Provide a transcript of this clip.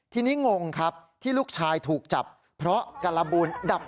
ทีนี้งงครับที่ลูกชายถูกจับ